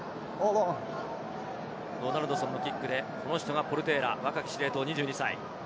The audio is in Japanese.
ドナルドソンのキックでポルテーラ、若き司令塔の２２歳。